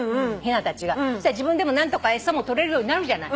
したら自分でも何とか餌もとれるようになるじゃない。